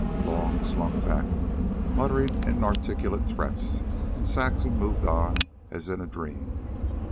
Long slunk back, muttering inarticulate threats, and Saxon moved on as in a dream.